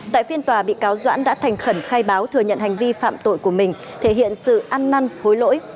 tại phiên tòa bị cáo doãn đã thành khẩn khai báo thừa nhận hành vi phạm tội của mình thể hiện sự ăn năn hối lỗi